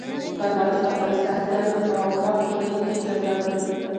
کارمل د افغانستان د دولت موقف په لیک کې څرګند کړ.